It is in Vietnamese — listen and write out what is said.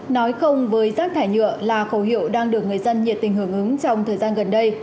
nói không với rác thải nhựa là khẩu hiệu đang được người dân nhiệt tình hưởng ứng trong thời gian gần đây